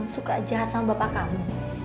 suka jahat sama bapak kamu